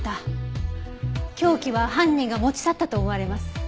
凶器は犯人が持ち去ったと思われます。